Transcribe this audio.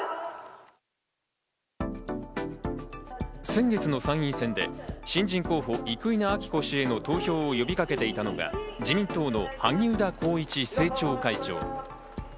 先月の参院選で新人候補・生稲晃子氏への投票を呼びかけていたのが、自民党の萩生田光一政調会長。